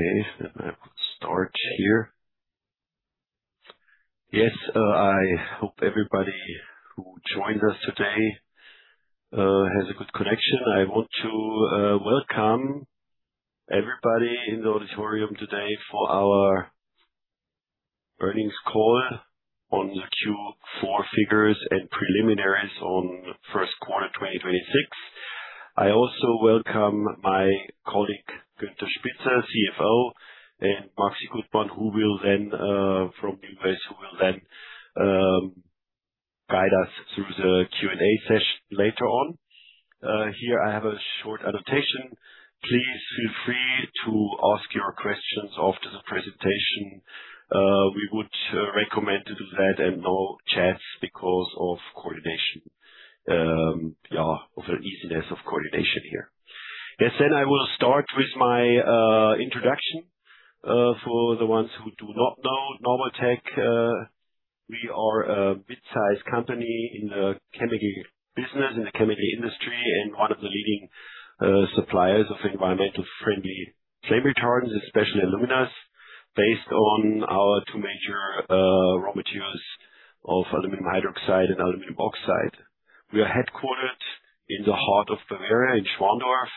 I could start here. I hope everybody who joins us today has a good connection. I want to welcome everybody in the auditorium today for our earnings call on the Q4 figures and preliminaries on first quarter 2026. I also welcome my colleague, Günther Spitzer, CFO, and Maxi Gutmann from the U.S., who will then guide us through the Q&A session later on. Here I have a short annotation. Please feel free to ask your questions after the presentation. We would recommend to do that and no chats because of the easiness of coordination here. I will start with my introduction. For the ones who do not know Nabaltec, we are a mid-size company in the chemical business, in the chemical industry, and one of the leading suppliers of environmental-friendly flame retardants, especially aluminas, based on our two major raw materials of aluminum hydroxide and aluminum oxide. We are headquartered in the heart of Bavaria, in Schwandorf.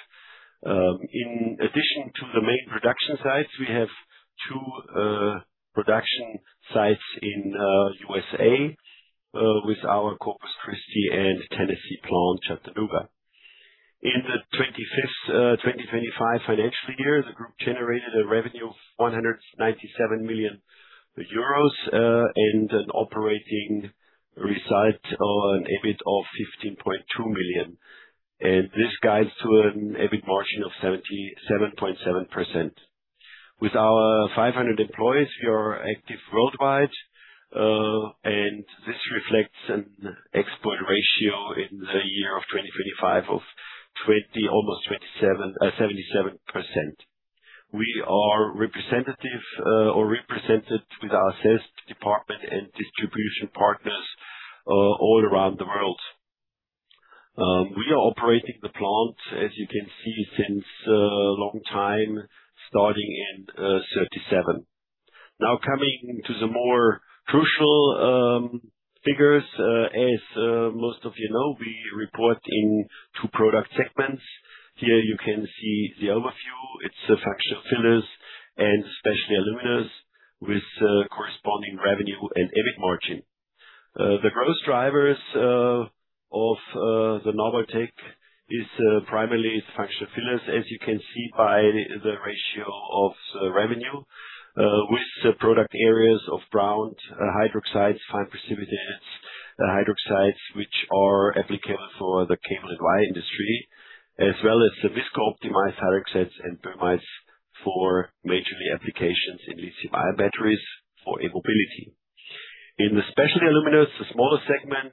In addition to the main production sites, we have two production sites in U.S.A., with our Corpus Christi and Tennessee plant, Chattanooga. In the 2025 financial year, the group generated a revenue of 197 million euros, and an operating result or an EBIT of 15.2 million. This guides to an EBIT margin of 7.7%. With our 500 employees, we are active worldwide, and this reflects an export ratio in the year of 2025 of almost 77%. We are represented with our sales department and distribution partners all around the world. We are operating the plant, as you can see, since a long time, starting in 1937. Coming to the more crucial figures. As most of you know, we report in two product segments. Here you can see the overview. It is Functional Fillers and Specialty Aluminas with corresponding revenue and EBIT margin. The growth drivers of the Nabaltec is primarily its Functional Fillers, as you can see by the ratio of revenue, with product areas of ground hydroxides, fine precipitated hydroxides, which are applicable for the cable and wire industry, as well as the visco-optimized hydroxides and boehmites for majorly applications in lithium-ion batteries for e-mobility. In the Specialty Aluminas, the smaller segment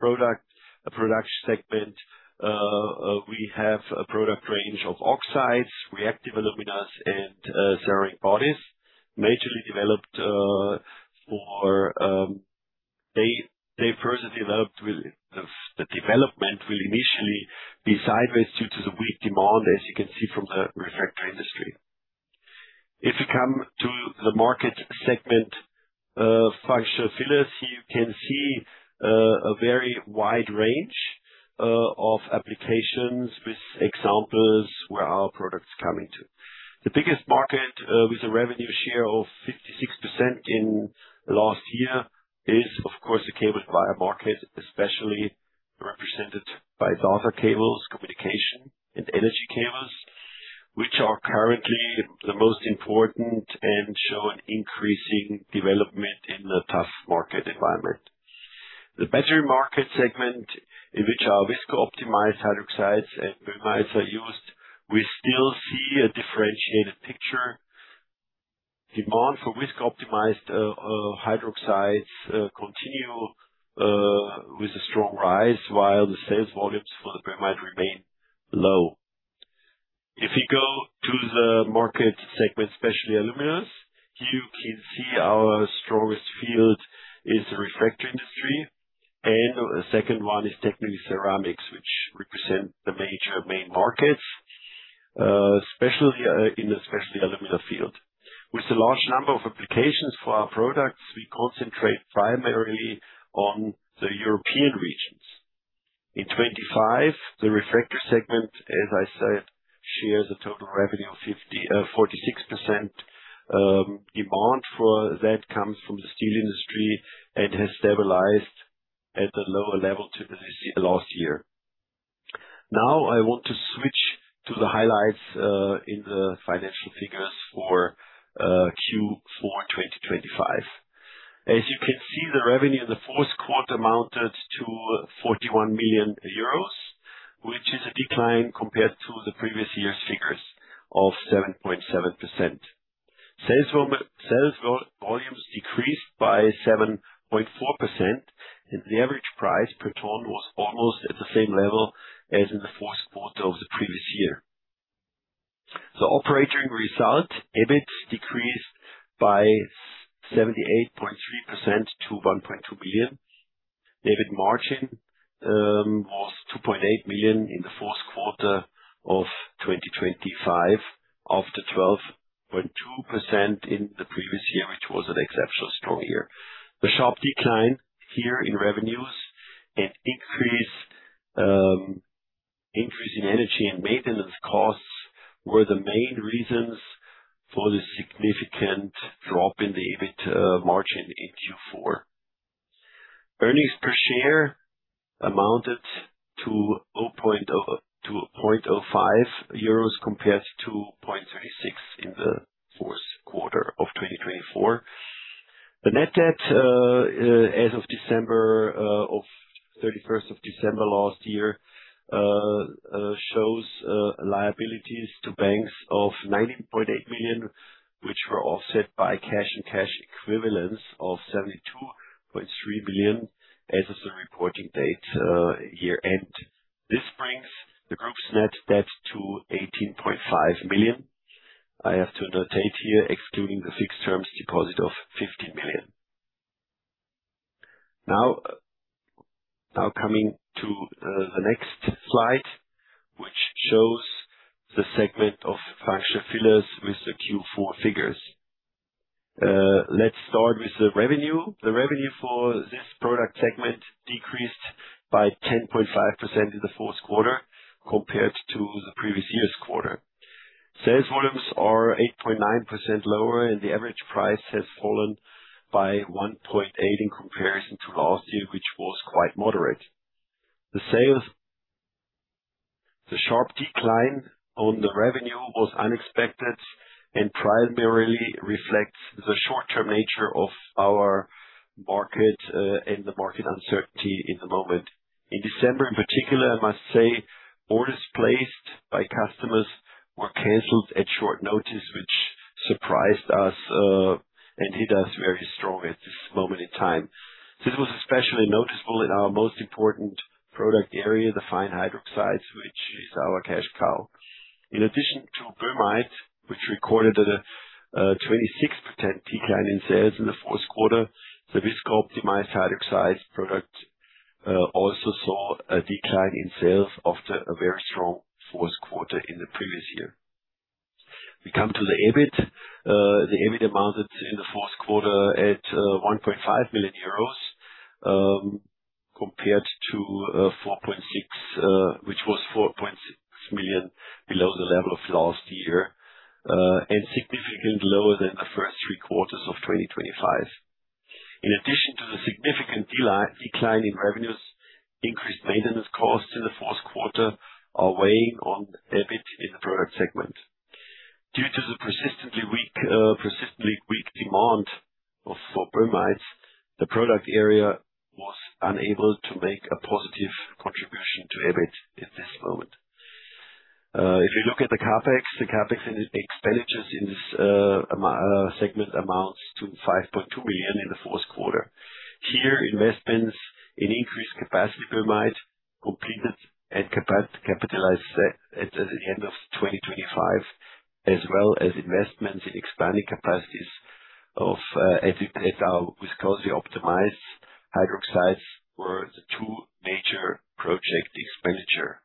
production segment, we have a product range of oxides, reactive aluminas and ceramic bodies, the development will initially be sideways due to the weak demand, as you can see from the refractory industry. If you come to the market segment, Functional Fillers, you can see a very wide range of applications with examples where our products come into. The biggest market, with a revenue share of 56% in last year is, of course, the cable and wire market, especially represented by data cables, communication and energy cables, which are currently the most important and show an increasing development in the tough market environment. The battery market segment, in which our visco-optimized hydroxides and boehmites are used, we still see a differentiated picture. Demand for visco-optimized hydroxides continue with a strong rise, while the sales volumes for the boehmite remain low. If you go to the market segment Specialty Aluminas, here you can see our strongest field is the refractory industry, and the second one is technical ceramics, which represent the major main markets, especially in the Specialty Alumina field. With a large number of applications for our products, we concentrate primarily on the European regions. In 2025, the refractory segment, as I said, shares a total revenue of 46%. Demand for that comes from the steel industry and has stabilized at a lower level to what we see last year. I want to switch to the highlights in the financial figures for Q4 2025. As you can see, the revenue in the fourth quarter amounted to 41 million euros, which is a decline compared to the previous year's figures of 7.7%. Sales volumes decreased by 7.4%, and the average price per ton was almost at the same level as in the fourth quarter of the previous year. The operating result, EBIT, decreased by 78.3% to 1.2 million. The EBIT margin was 2.8 million in the fourth quarter of 2025, after 12.2% in the previous year, which was an exceptional strong year. The sharp decline here in revenues and increase in energy and maintenance costs were the main reasons for the significant drop in the EBIT margin in Q4. Earnings per share amounted to 0.05 euros compared to 0.36 in the fourth quarter of 2024. The net debt as of 31st of December last year, shows liabilities to banks of 19.8 million, which were offset by cash and cash equivalents of 72.3 million as of the reporting date, year-end. This brings the group's net debt to 18.5 million. I have to notate here, excluding the fixed terms deposit of 15 million. Coming to the next slide, which shows the segment of Functional Fillers with the Q4 figures. Let's start with the revenue. The revenue for this product segment decreased by 10.5% in the fourth quarter compared to the previous year's quarter. Sales volumes are 8.9% lower, and the average price has fallen by 1.8% in comparison to last year, which was quite moderate. The sharp decline on the revenue was unexpected and primarily reflects the short-term nature of our market and the market uncertainty in the moment. In December, in particular, I must say, orders placed by customers were canceled at short notice, which surprised us and hit us very strong at this moment in time. This was especially noticeable in our most important product area, the fine hydroxides, which is our cash cow. In addition to boehmites, which recorded a 26% decline in sales in the fourth quarter, the viscosity-optimized hydroxides product also saw a decline in sales after a very strong fourth quarter in the previous year. We come to the EBIT. The EBIT amounted in the fourth quarter at 1.5 million, which was 4.6 million below the level of last year, and significantly lower than the first three quarters of 2025. In addition to the significant decline in revenues, increased maintenance costs in the fourth quarter are weighing on EBIT in the product segment. Due to the persistently weak demand for boehmites, the product area was unable to make a positive contribution to EBIT at this moment. If you look at the CapEx, the CapEx expenditures in this segment amounts to 5.2 million in the fourth quarter. Here, investments in increased capacity boehmite completed and capitalized at the end of 2025, as well as investments in expanding capacities of FEP at our viscosity-optimized hydroxides were the two major project expenditure.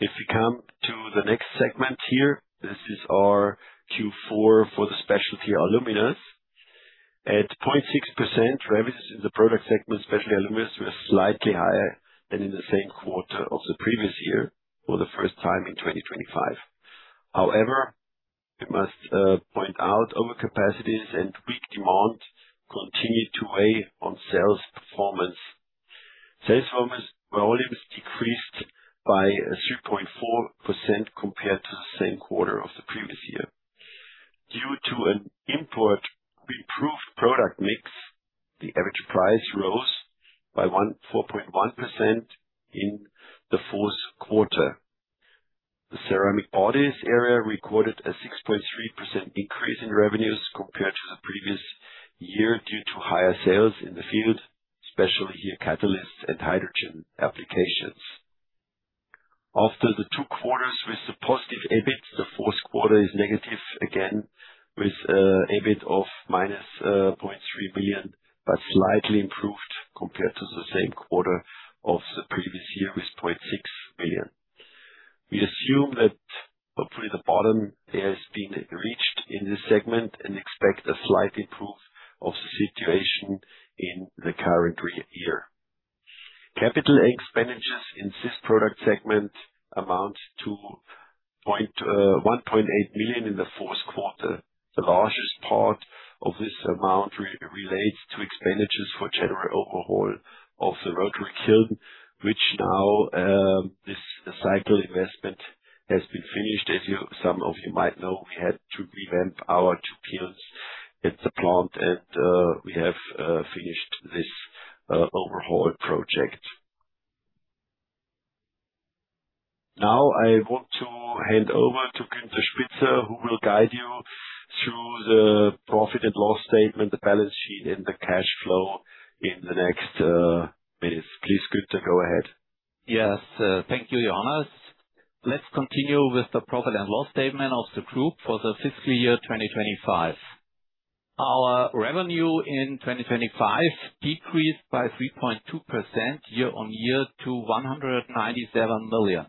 If we come to the next segment here, this is our Q4 for the Specialty Aluminas. At 0.6%, revenues in the product segment Specialty Aluminas were slightly higher than in the same quarter of the previous year for the first time in 2025. We must point out overcapacities and weak demand continued to weigh on sales performance. Sales volumes decreased by 3.4% compared to the same quarter of the previous year. Due to an improved product mix, the average price rose by 4.1% in the fourth quarter. The ceramic bodies area recorded a 6.3% increase in revenues compared to the previous year due to higher sales in the field, especially here catalysts and hydrogen applications. After the two quarters with the positive EBIT, the fourth quarter is negative again with EBIT of minus 0.3 million, but slightly improved compared to the same quarter of the previous year with 0.6 million. We assume that hopefully the bottom has been reached in this segment and expect a slight improve of the situation in the current year. CapEx in this product segment amount to 1.8 million in the fourth quarter. The largest part of this amount relates to expenditures for general overhaul of the rotary kiln, which now this cycle investment has been finished. As some of you might know, we had to revamp our two kilns at the plant, and we have finished this overhaul project. I want to hand over to Günther Spitzer, who will guide you through the profit and loss statement, the balance sheet, and the cash flow in the next minutes. Please, Günther, go ahead. Yes. Thank you, Johannes. Let's continue with the profit and loss statement of the group for the fiscal year 2025. Our revenue in 2025 decreased by 3.2% year-on-year to EUR 197 million.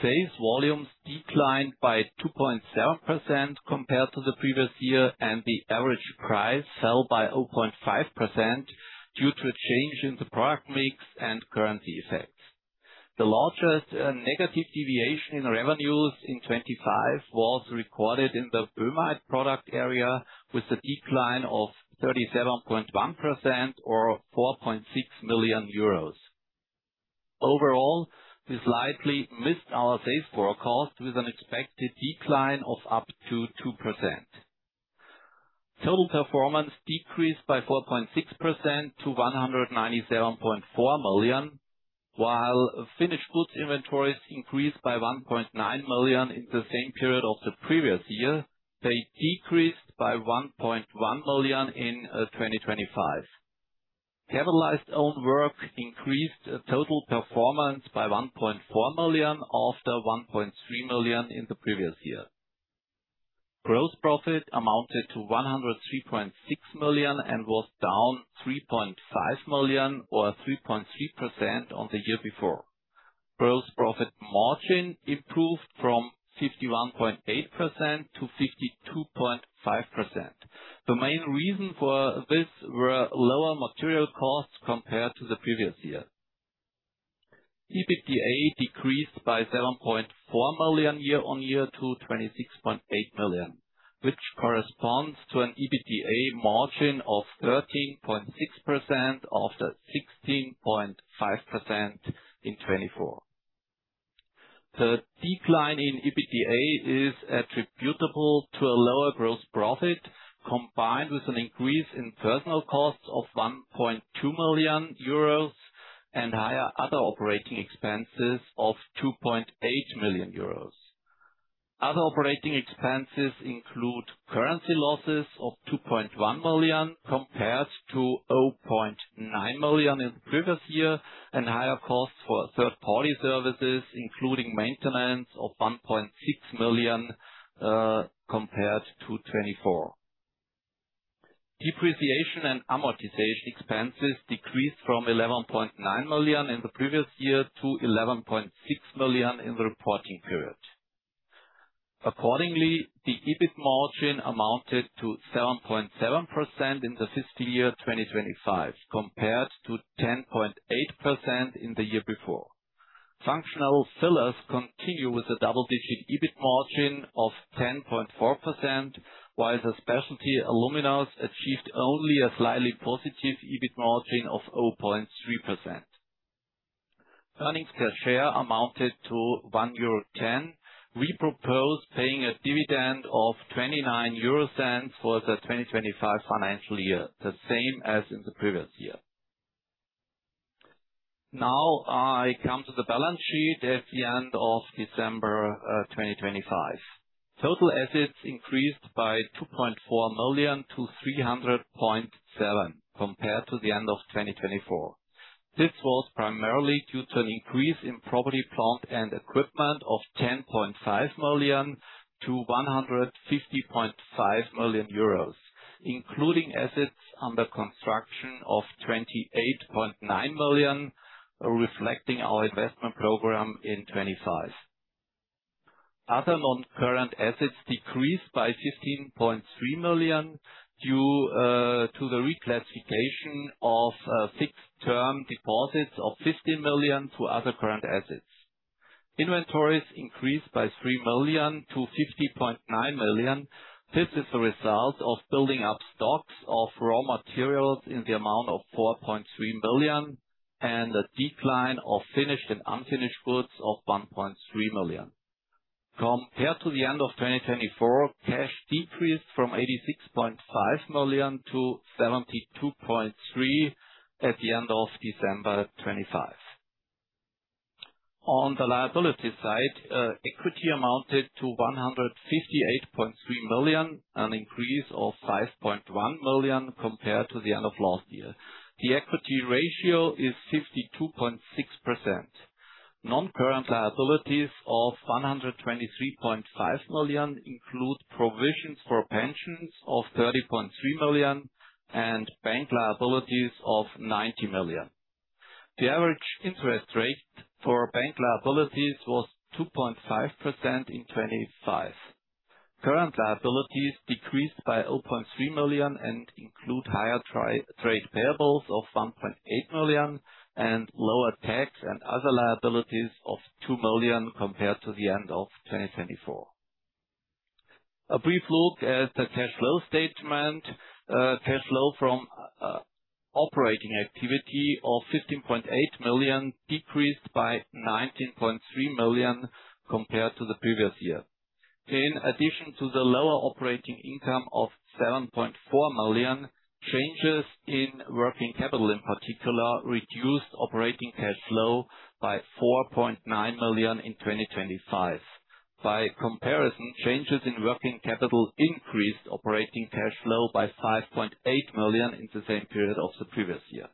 Sales volumes declined by 2.7% compared to the previous year, and the average price fell by 0.5% due to a change in the product mix and currency effect. The largest negative deviation in revenues in 2025 was recorded in the boehmite product area, with a decline of 37.1% or 4.6 million euros. Overall, we slightly missed our sales forecast, with an expected decline of up to 2%. Total performance decreased by 4.6% to 197.4 million, while finished goods inventories increased by 1.9 million in the same period of the previous year. They decreased by 1.1 million in 2025. Capitalized own work increased total performance by 1.4 million after 1.3 million in the previous year. Gross profit amounted to 103.6 million and was down 3.5 million or 3.3% on the year before. Gross profit margin improved from 51.8% to 52.5%. The main reason for this were lower material costs compared to the previous year. EBITDA decreased by 7.4 million year-on-year to 26.8 million, which corresponds to an EBIT margin of 13.6% after 16.5% in 2024. The decline in EBITDA is attributable to a lower gross profit, combined with an increase in personal costs of 1.2 million euros and higher other operating expenses of 2.8 million euros. Other operating expenses include currency losses of 2.1 million, compared to 0.9 million in the previous year, and higher costs for third-party services, including maintenance of 1.6 million, compared to 2024. Depreciation and amortization expenses decreased from 11.9 million in the previous year to 11.6 million in the reporting period. Accordingly, the EBIT margin amounted to 7.7% in the fiscal year 2025, compared to 10.8% in the year before. Functional Fillers continue with a double-digit EBIT margin of 10.4%, while the Specialty Aluminas achieved only a slightly positive EBIT margin of 0.3%. Earnings per share amounted to 1.10 euro. We propose paying a dividend of 0.29 for the 2025 financial year, the same as in the previous year. I come to the balance sheet at the end of December 2025. Total assets increased by 2.4 million to 300.7 million compared to the end of 2024. This was primarily due to an increase in property, plant, and equipment of 10.5 million to 150.5 million euros, including assets under construction of 28.9 million, reflecting our investment program in 2025. Other non-current assets decreased by 15.3 million due to the reclassification of fixed-term deposits of 15 million to other current assets. Inventories increased by 3 million to 50.9 million. This is the result of building up stocks of raw materials in the amount of 4.3 million and a decline of finished and unfinished goods of 1.3 million. Compared to the end of 2024, cash decreased from 86.5 million to 72.3 million at the end of December 2025. On the liability side, equity amounted to 158.3 million, an increase of 5.1 million compared to the end of last year. The equity ratio is 52.6%. Non-current liabilities of 123.5 million include provisions for pensions of 30.3 million and bank liabilities of 90 million. The average interest rate for bank liabilities was 2.5% in 2025. Current liabilities decreased by 0.3 million and include higher trade payables of 1.8 million and lower tax and other liabilities of 2 million compared to the end of 2024. A brief look at the cash flow statement. Cash flow from operating activity of 15.8 million decreased by 19.3 million compared to the previous year. In addition to the lower operating income of 7.4 million, changes in working capital, in particular, reduced operating cash flow by 4.9 million in 2025. By comparison, changes in working capital increased operating cash flow by 5.8 million in the same period of the previous year.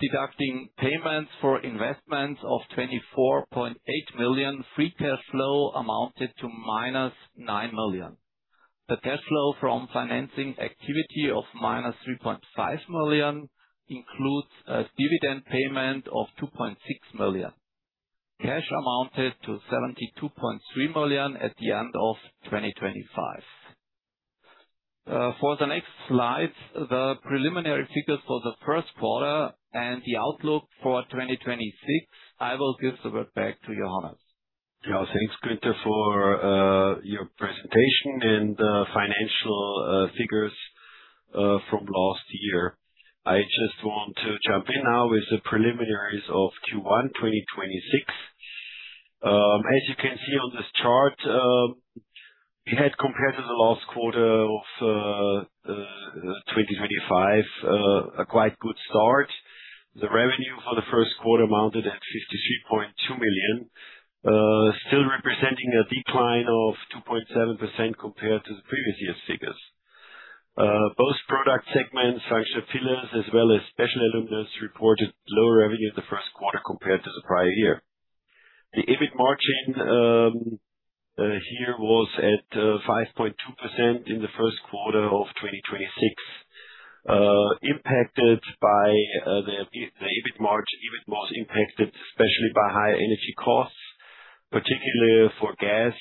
Deducting payments for investments of 24.8 million, free cash flow amounted to minus 9 million. The cash flow from financing activity of minus 3.5 million includes a dividend payment of 2.6 million. Cash amounted to 72.3 million at the end of 2025. For the next slide, the preliminary figures for the first quarter and the outlook for 2026. I will give the word back to Johannes. Yeah. Thanks, Günther, for your presentation and the financial figures from last year. I just want to jump in now with the preliminaries of Q1 2026. As you can see on this chart, we had, compared to the last quarter of 2025, a quite good start. The revenue for the first quarter amounted at 53.2 million, still representing a decline of 2.7% compared to the previous year's figures. Both product segments, Functional Fillers as well as Specialty Aluminas, reported lower revenue in the first quarter compared to the prior year. The EBIT margin here was at 5.2% in the first quarter of 2026. The EBIT margin was impacted especially by higher energy costs, particularly for gas,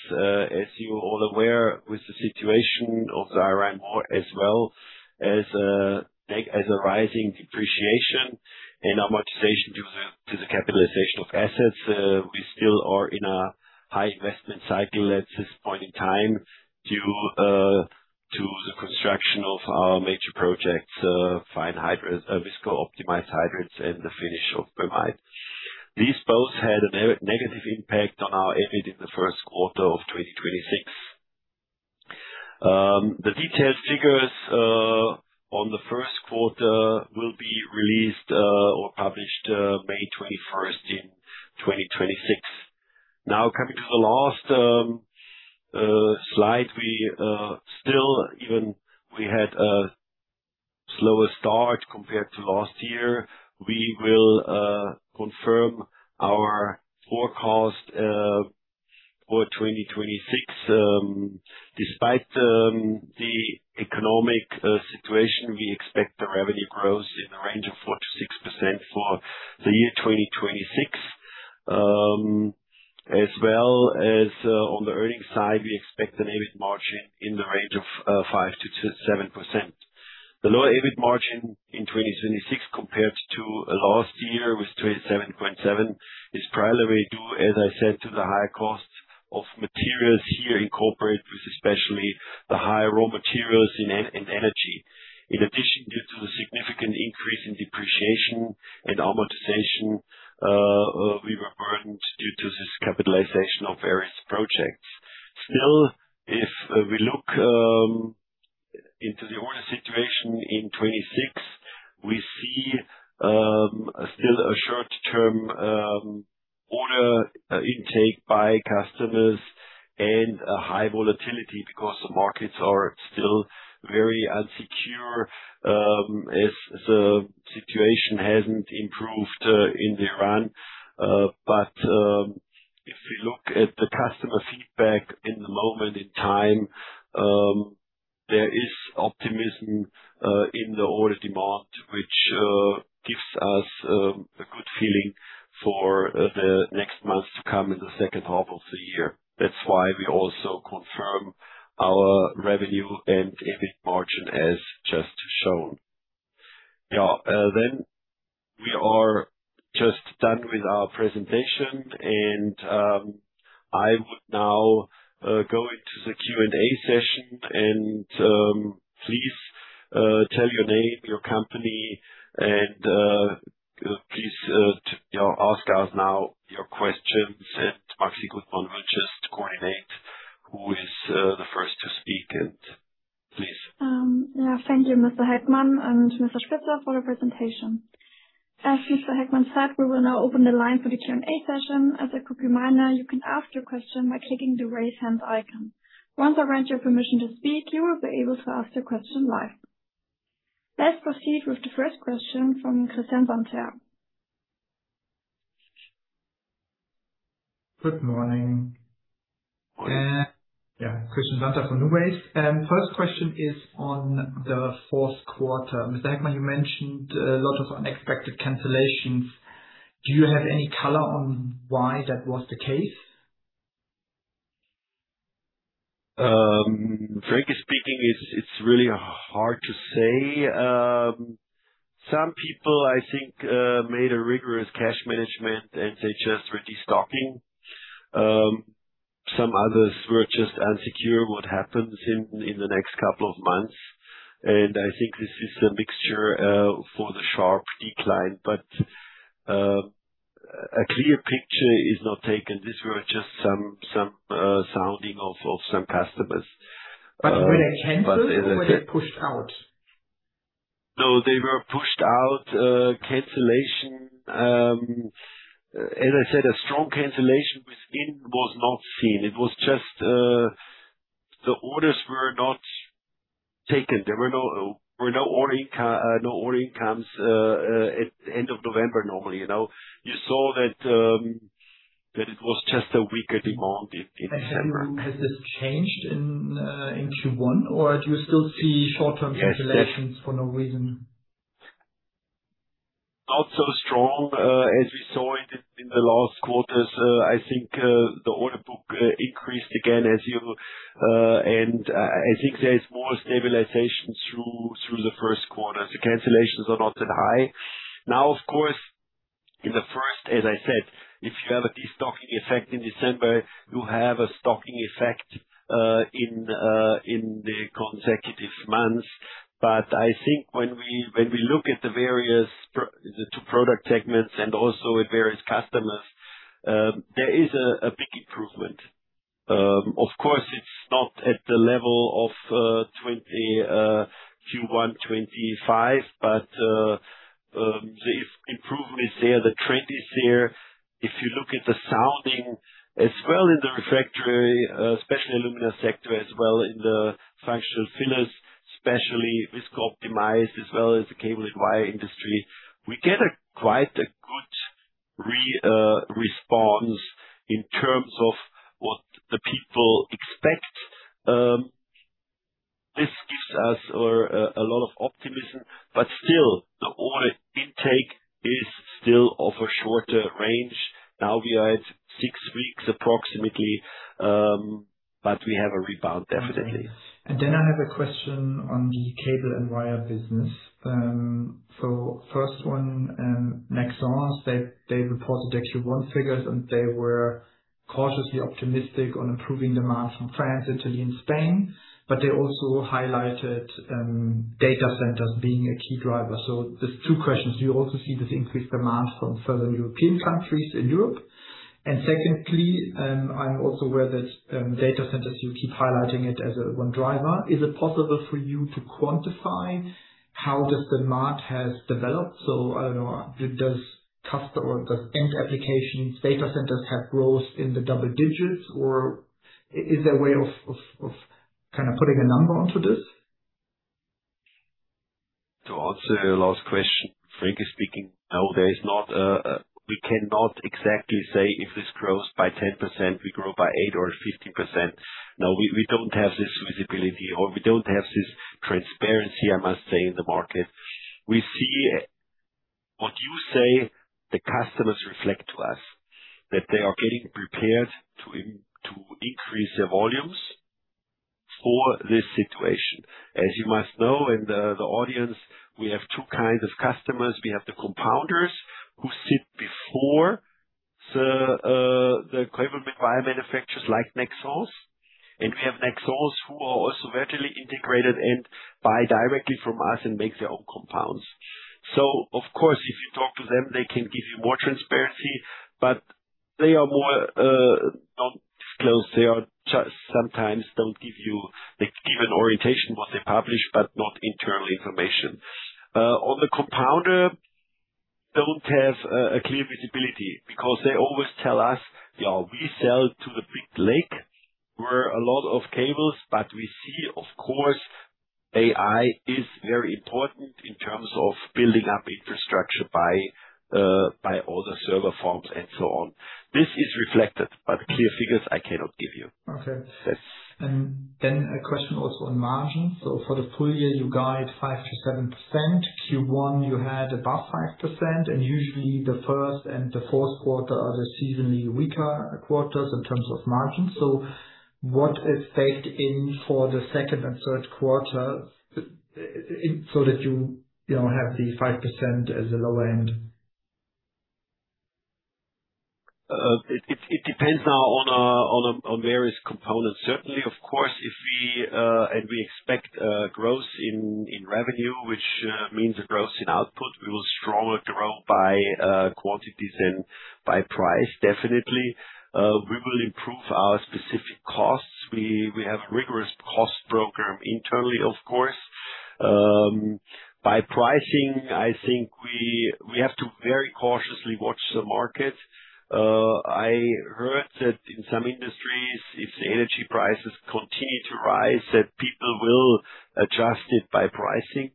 as you all are aware, with the situation of the Iran war as well as a rising depreciation and amortization due to the capitalization of assets. We still are in a high investment cycle at this point in time due to the construction of our major projects, fine hydroxides, viscosity-optimized hydroxides and the finish of boehmite. These both had a negative impact on our EBIT in the first quarter of 2026. The detailed figures on the first quarter will be released or published May 21st in 2026. Coming to the last slide. We had a slower start compared to last year, we will confirm our forecast for 2026. Despite the economic situation, we expect the revenue growth in the range of 4%-6% for the year 2026. As well as on the earnings side, we expect an EBIT margin in the range of 5%-7%. The lower EBIT margin in 2026 compared to last year with 27.7% is primarily due, as I said, to the higher costs of materials here in corporate, with especially the higher raw materials and energy. In addition, due to the significant increase in depreciation and amortization, we were burdened due to this capitalization of various projects. Still, if we look into the order situation in 2026, we see still a short-term order intake by customers and a high volatility because the markets are still very unsecure as the situation hasn't improved in Iran. If we look at the customer feedback in the moment in time, there is optimism in the order demand, which gives us a good feeling for the next months to come in the second half of the year. That's why we also confirm our revenue and EBIT margin as just shown. We are just done with our presentation, I would now go into the Q&A session, please tell your name, your company, and please ask us now your questions, Maxi Gutmann will just coordinate who is the first to speak. Please. Thank you, Mr. Heckmann and Mr. Spitzer, for the presentation. As Mr. Heckmann said, we will now open the line for the Q&A session. As a quick reminder, you can ask your question by clicking the raise hand icon. Once I grant you permission to speak, you will be able to ask your question live. Let's proceed with the first question from Christian Sandherr. Good morning. Good morning. Christian Sandherr from NuWays. First question is on the fourth quarter. Mr. Heckmann, you mentioned a lot of unexpected cancellations. Do you have any color on why that was the case? Frankly speaking, it's really hard to say. Some people, I think, made a rigorous cash management and they're just restocking. Some others were just insecure what happens in the next couple of months. I think this is a mixture for the sharp decline. A clear picture is not taken. These were just some sounding of some customers. Were they canceled or were they pushed out? No, they were pushed out. As I said, a strong cancellation within was not seen. It was just The orders were not taken. There were no order incomes at end of November normally. You saw that it was just a weaker demand in December. Has this changed in Q1, or do you still see short-term cancellations for no reason? Not so strong as we saw it in the last quarters. I think the order book increased again. There is more stabilization through the first quarter. The cancellations are not that high. Of course, in the first, as I said, if you have a destocking effect in December, you have a stocking effect in the consecutive months. I think when we look at the various two product segments and also at various customers, there is a big improvement. Of course, it's not at the level of Q1 2025, but the improvement is there, the trend is there. If you look at the sounding as well in the refractory industry, especially Specialty Aluminas sector, as well in the Functional Fillers, especially with viscosity-optimized as well as the cable and wire industry, we get quite a good response in terms of what the people expect. This gives us a lot of optimism, but still, the order intake is still of a shorter range. We are at six weeks approximately, but we have a rebound, definitely. I have a question on the cable and wire business. First one, Nexans, they reported their Q1 figures. They were cautiously optimistic on improving demand from France, Italy, and Spain, but they also highlighted data centers being a key driver. There are two questions. Do you also see this increased demand from further European countries in Europe? Secondly, I'm also aware that data centers, you keep highlighting it as one driver. Is it possible for you to quantify how this demand has developed? I don't know, does end applications data centers have growth in the double digits, or is there a way of kind of putting a number onto this? To answer your last question, frankly speaking, no. We cannot exactly say if this grows by 10%, we grow by 8% or 15%. We don't have this visibility, or we don't have this transparency, I must say, in the market. We see what you say the customers reflect to us, that they are getting prepared to increase their volumes for this situation. As you must know in the audience, we have two kinds of customers. We have the compounders who sit before the cable and wire manufacturers like Nexans, and we have Nexans who are also vertically integrated and buy directly from us and make their own compounds. Of course, if you talk to them, they can give you more transparency, but they are more not disclosed. They sometimes don't give you. They give an orientation of what they publish, but not internal information. On the compounders, do not have a clear visibility because they always tell us, "We sell to the big lake, where a lot of cables, but we see, of course, AI is very important in terms of building up infrastructure by all the server farms and so on." Clear figures I cannot give you. Okay. Yes. A question also on margin. For the full year, you guide 5%-7%. Q1, you had above 5%, and usually the first and the fourth quarter are the seasonally weaker quarters in terms of margin. What is baked in for the second and third quarter so that you have the 5% as a lower end? It depends now on various components. Certainly, of course, we expect growth in revenue, which means a growth in output. We will stronger grow by quantities than by price, definitely. We will improve our specific costs. We have rigorous cost program internally, of course. By pricing, I think we have to very cautiously watch the market. I heard that in some industries, if the energy prices continue to rise, that people will adjust it by pricing.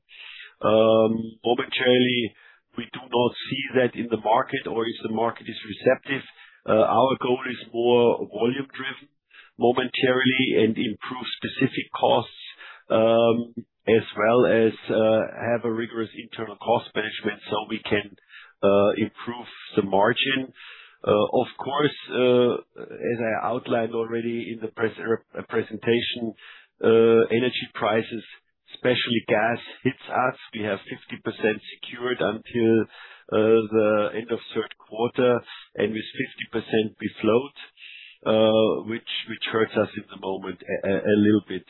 Momentarily, we do not see that in the market or if the market is receptive. Our goal is more volume driven momentarily and improve specific costs, as well as have a rigorous internal cost management so we can improve the margin. Of course, as I outlined already in the presentation, energy prices, especially gas, hits us. We have 50% secured until the end of third quarter. With 50% we float, which hurts us at the moment a little bit.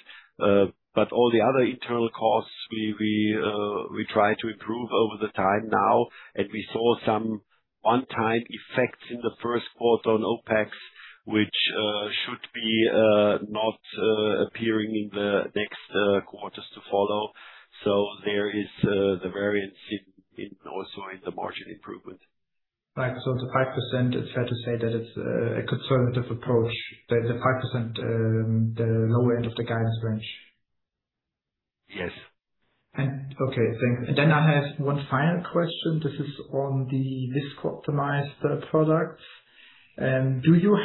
All the other internal costs, we try to improve over the time now, and we saw some one-time effects in the first quarter on OpEx, which should be not appearing in the next quarters to follow. There is the variance hidden also in the margin improvement. Right. The 5%, it's fair to say that it's a conservative approach, the 5%, the lower end of the guidance range. Yes. Okay, thanks. Then I have one final question. This is on the viscosity-optimized products. You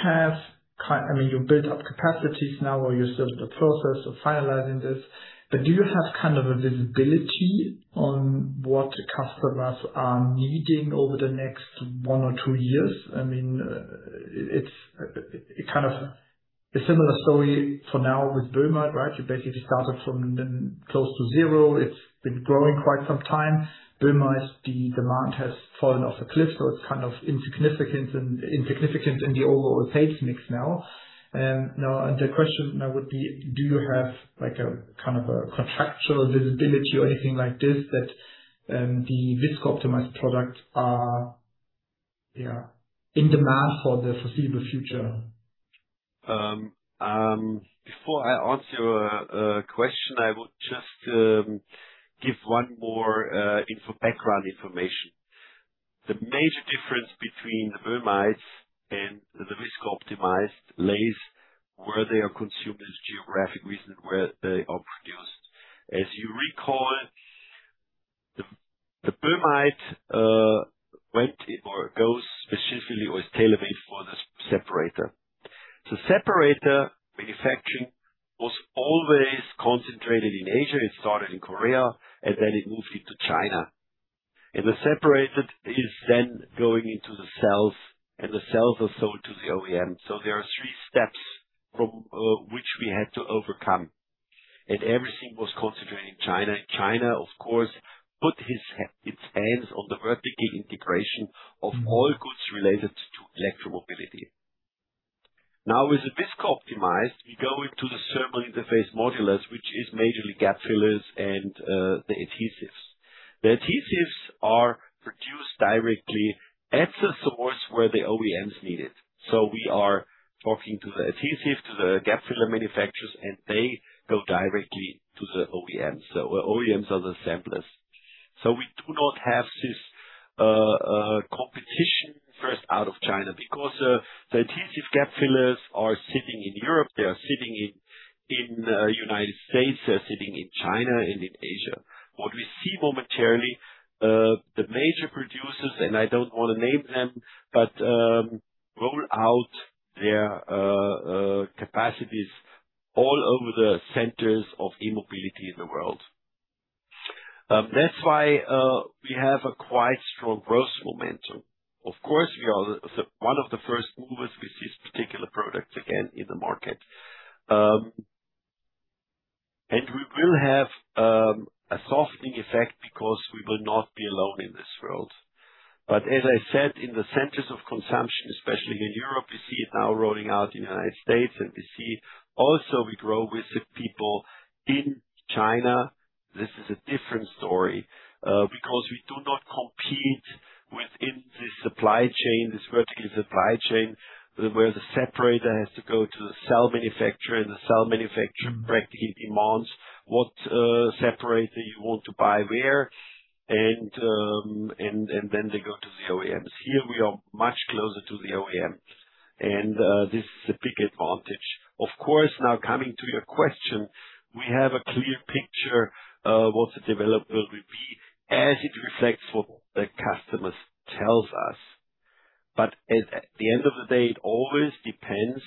built up capacities now or you're still in the process of finalizing this, but do you have a visibility on what customers are needing over the next one or two years? It's similar story for now with boehmite, right? You basically started from close to zero. It's been growing quite some time. Boehmite, the demand has fallen off a cliff, so it's insignificant in the overall sales mix now. The question now would be, do you have a contractual visibility or anything like this that the viscosity-optimized products are in demand for the foreseeable future? Before I answer your question, I would just give one more background information. The major difference between the boehmite and the viscosity-optimized lies where they are consumed, there's geographic reason where they are produced. As you recall, the boehmite went or goes specifically or is tailor-made for the separator. Separator manufacturing was always concentrated in Asia. It started in Korea, then it moved into China. The separator is then going into the cells, and the cells are sold to the OEM. There are three steps which we had to overcome, and everything was concentrated in China. China, of course, put its hands on the vertical integration of all goods related to electromobility. With the viscosity-optimized, we go into the thermal interface materials, which is majorly gap fillers and the adhesives. The adhesives are produced directly at the source where the OEMs need it. We are talking to the adhesive, to the gap filler manufacturers, and they go directly to the OEMs. OEMs are the assemblers. We do not have this competition first out of China because the adhesive gap fillers are sitting in Europe, they are sitting in the U.S., they are sitting in China and in Asia. What we see momentarily, the major producers, and I don't want to name them, but roll out their capacities all over the centers of e-mobility in the world. That's why we have a quite strong growth momentum. Of course, we are one of the first movers with this particular product, again, in the market. We will have a softening effect because we will not be alone in this world. As I said, in the centers of consumption, especially in Europe, we see it now rolling out in the U.S., and we see also we grow with the people in China. This is a different story, because we do not compete within this supply chain, this vertical supply chain, where the separator has to go to the cell manufacturer and the cell manufacturer practically demands what separator you want to buy where, and then they go to the OEMs. Here we are much closer to the OEMs, and this is a big advantage. Of course, now coming to your question, we have a clear picture of what the development will be as it reflects what the customers tells us. At the end of the day, it always depends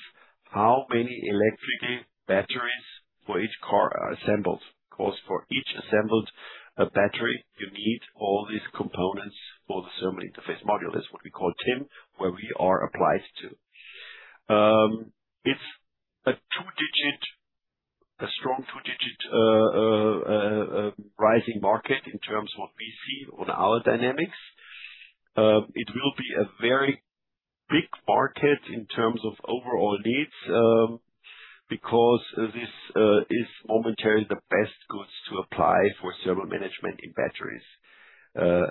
how many electric batteries for each car are assembled. For each assembled battery, you need all these components for the thermal interface module. That's what we call TIM, where we are applied to. It's a strong 2-digit rising market in terms of what we see on our dynamics. It will be a very big market in terms of overall needs, because this is momentarily the best goods to apply for thermal management in batteries.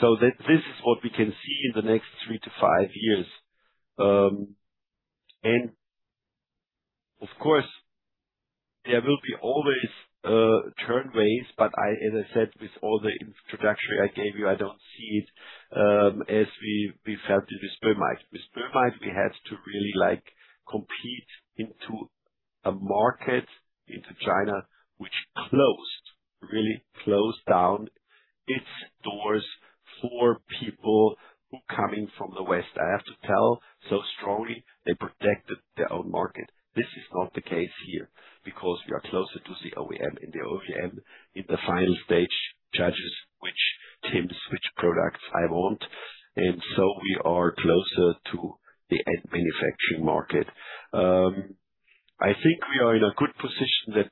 This is what we can see in the next three to five years. Of course, there will be always turnarounds, but as I said, with all the introductory I gave you, I don't see it as we felt it with boehmite. With boehmite, we had to really compete into a market, into China, which closed, really closed down its doors for people who come in from the West. I have to tell so strongly, they protected their own market. This is not the case here, because we are closer to the OEM, and the OEM, in the final stage, judges which TIMs, which products I want. We are closer to the end manufacturing market. I think we are in a good position that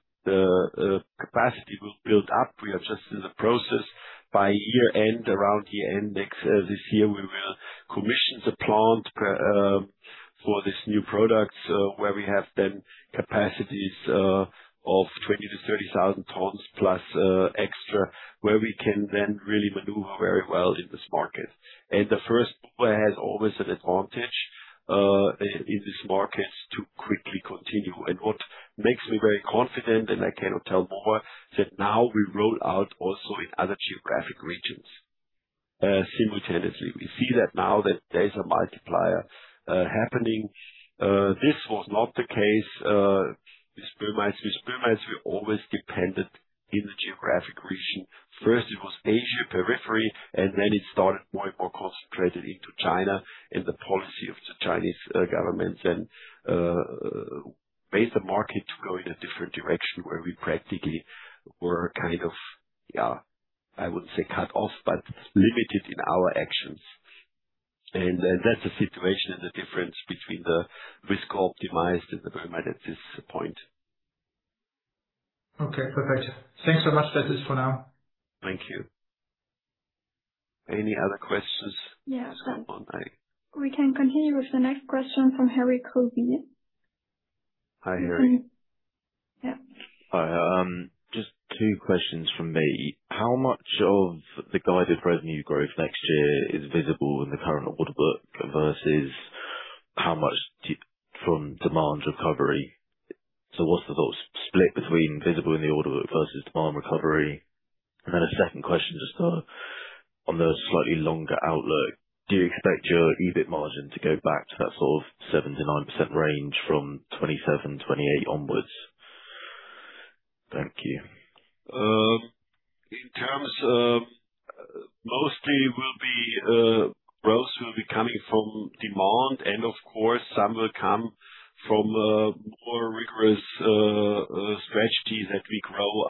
capacity will build up. We are just in the process by year-end, around year-end this year, we will commission the plant for this new product, where we have then capacities of 20,000-30,000 tons plus extra, where we can then really maneuver very well in this market. The first mover has always an advantage in these markets to quickly continue. What makes me very confident, and I cannot tell more, that now we roll out also in other geographic regions simultaneously. We see that now that there is a multiplier happening. This was not the case with boehmites. With boehmites, we always depended in the geographic region. First it was Asia periphery, then it started more and more concentrated into China and the policy of the Chinese government and made the market to go in a different direction, where we practically were, I wouldn't say cut off, but limited in our actions. That's the situation and the difference between the viscosity-optimized and the boehmite at this point. Okay, perfect. Thanks so much, that is for now. Thank you. Any other questions? Yeah. Come on. We can continue with the next question from Harry Coveney. Hi, Harry. Yeah. Hi. Just two questions from me. How much of the guided revenue growth next year is visible in the current order book versus how much from demand recovery? What's the split between visible in the order book versus demand recovery? A second question, just on the slightly longer outlook, do you expect your EBIT margin to go back to that sort of 7%-9% range from 2027, 2028 onwards? Thank you. Mostly, growth will be coming from demand and of course, some will come from a more rigorous strategy that we grow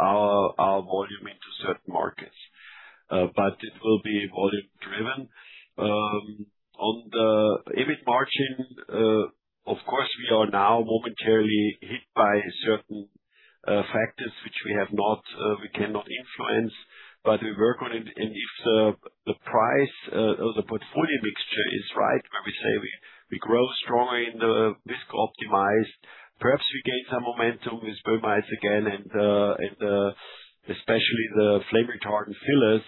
our volume into certain markets. It will be volume-driven. On the EBIT margin, of course, we are now momentarily hit by certain factors which we cannot influence, but we work on it, and if the price of the portfolio mixture is right, where we say we grow strong in the viscosity-optimized, perhaps we gain some momentum with boehmites again and especially the flame retardant fillers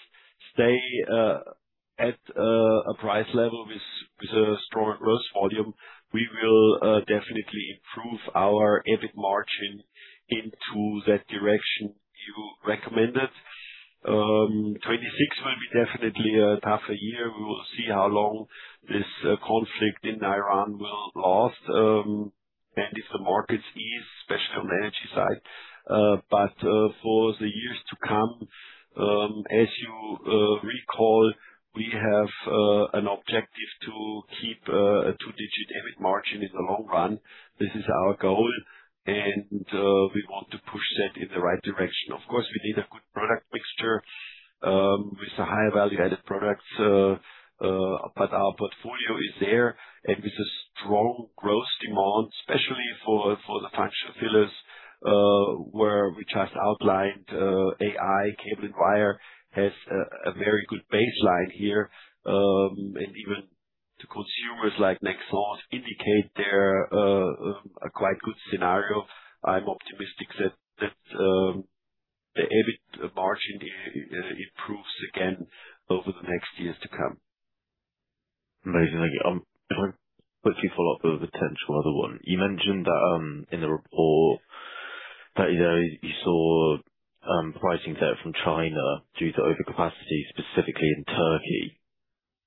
stay at a price level with a strong growth volume, we will definitely improve our EBIT margin into that direction you recommended. 2026 will be definitely a tougher year. We will see how long this conflict in Iran will last, and if the markets ease, especially on the energy side. For the years to come, as you recall, we have an objective to keep a two-digit EBIT margin in the long run. This is our goal, and we want to push that in the right direction. Of course, we need a good product mixture with a higher value-added products, our portfolio is there, and with a strong growth demand, especially for the Functional Fillers, where we just outlined AI cable and wire has a very good baseline here. Even the consumers like Nexans indicate they're a quite good scenario. I'm optimistic that the EBIT margin improves again over the next years to come. Amazing. Thank you. If I can quickly follow up with a potential other one. You mentioned that in the report that you saw pricing there from China due to overcapacity, specifically in Turkey.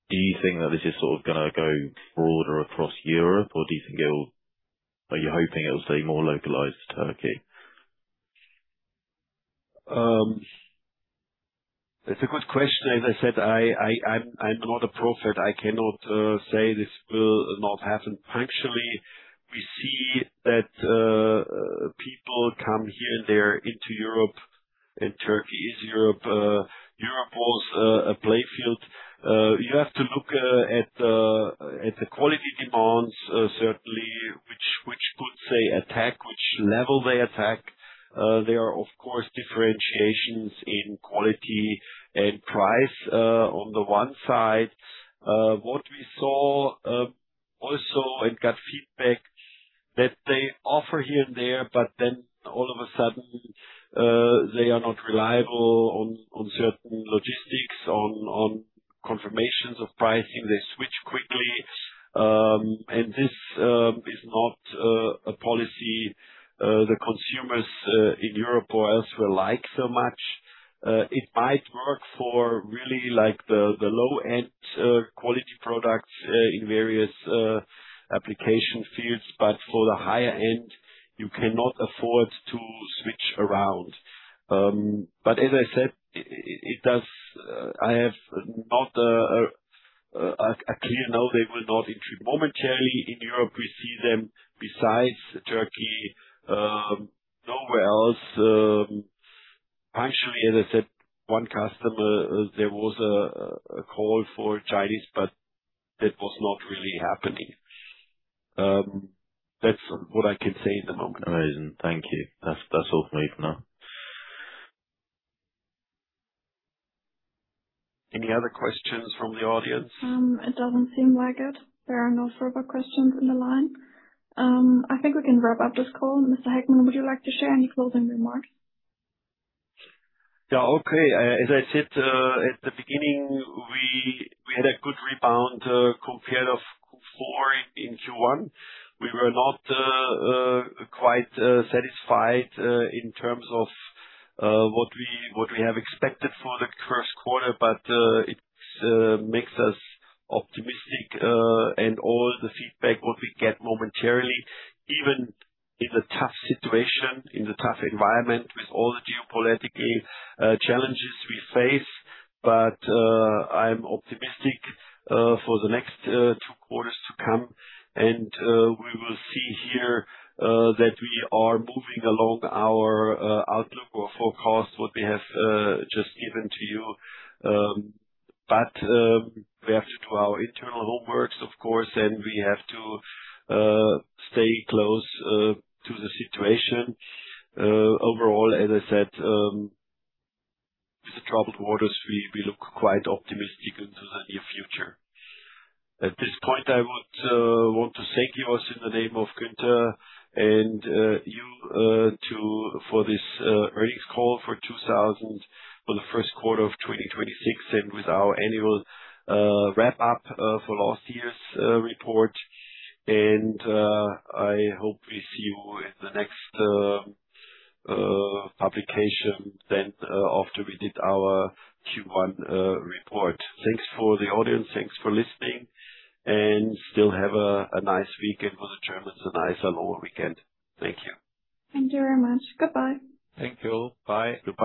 Do you think that this is going to go broader across Europe? Or are you hoping it'll stay more localized to Turkey? It's a good question. As I said, I'm not a prophet. I cannot say this will not happen. Actually, we see that people come here and there into Europe, and Turkey is Europe. Europe was a playfield. You have to look at the quality demands, certainly, which goods they attack, which level they attack. There are, of course, differentiations in quality and price on the one side. What we saw also, and got feedback, that they offer here and there, but then all of a sudden, they are not reliable on certain logistics, on confirmations of pricing. They switch quickly. This is not a policy the consumers in Europe or elsewhere like so much. It might work for really the low-end quality products in various application fields, but for the higher end, you cannot afford to switch around. As I said, I have not a clear no, they will not enter. Momentarily in Europe, we see them besides Turkey, nowhere else. Actually, as I said, one customer, there was a call for Chinese, but that was not really happening. That's what I can say at the moment. Amazing. Thank you. That's all for me for now. Any other questions from the audience? It doesn't seem like it. There are no further questions in the line. I think we can wrap up this call. Mr. Heckmann, would you like to share any closing remarks? Yeah. Okay. As I said at the beginning, we had a good rebound compared of Q4 in Q1. We were not quite satisfied in terms of what we have expected for the first quarter, but it makes us optimistic. All the feedback, what we get momentarily, even in the tough situation, in the tough environment with all the geopolitical challenges we face. I'm optimistic for the next two quarters to come, and we will see here that we are moving along our outlook or forecast, what we have just given to you. We have to do our internal homework, of course, and we have to stay close to the situation. Overall, as I said, with the troubled waters, we look quite optimistic into the near future. At this point, I want to thank you also in the name of Günther and you for this earnings call for the first quarter of 2026 and with our annual wrap up for last year's report. I hope we see you in the next publication then, after we did our Q1 report. Thanks for the audience, thanks for listening, and still have a nice weekend. For the Germans, a nice long weekend. Thank you. Thank you very much. Goodbye. Thank you. Bye. Goodbye